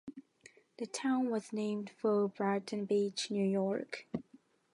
The town was named for Brighton Beach, New York.